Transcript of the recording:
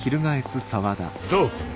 どう？